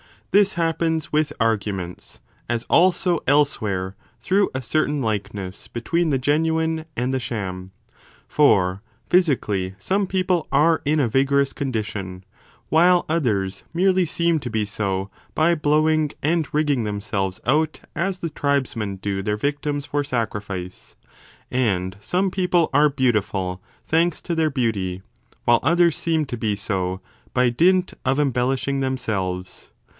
This happens with argu ments, as also elsewhere, through a certain likeness between 25 the genuine and the sham. For physically some people are in a vigorous condition, while others merely seem to be so by i64 b blowing and rigging themselves out as the tribesmen do 20 their victims for sacrifice ; and some people are beautiful thanks to their beauty, while others seem to be so, by dint of embellishing themselves.